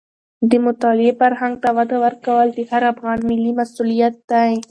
د مطالعې فرهنګ ته وده ورکول د هر افغان ملي مسوولیت دی.